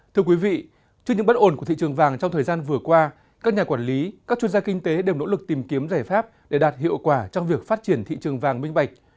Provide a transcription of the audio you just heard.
thưa quý vị trước những bất ổn của thị trường vàng trong thời gian vừa qua các nhà quản lý các chuyên gia kinh tế đều nỗ lực tìm kiếm giải pháp để đạt hiệu quả trong việc phát triển thị trường vàng minh bạch